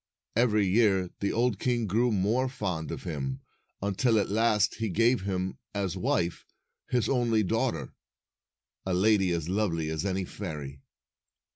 Every year the old king grew more fond of him, until at last he gave him, as wife, his only daughter, a lady as lovely as any fairy.